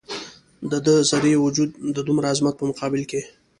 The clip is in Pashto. د ده ذرې وجود د دومره عظمت په مقابل کې.